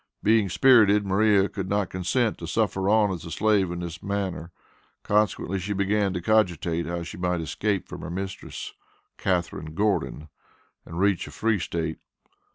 Being spirited, Maria could not consent to suffer on as a slave in this manner. Consequently she began to cogitate how she might escape from her mistress (Catharine Gordon), and reach a free State.